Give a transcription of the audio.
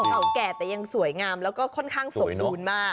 เก่าแก่แต่ยังสวยงามแล้วก็ค่อนข้างสมบูรณ์มาก